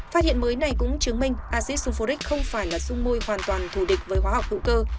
phát hiện mới này cũng chứng minh asit sulfuric không phải là sung môi hoàn toàn thù địch với hóa học hữu cơ